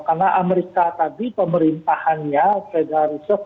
karena amerika tadi pemerintahannya federal reserve